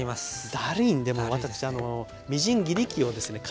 だるいんでもう私みじん切り器をですね買いまして。